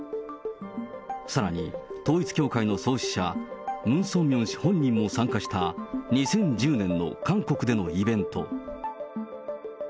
さらに、統一教会の創始者、ムン・ソンミョン氏本人も参加した２０１０年の韓国でのイベント。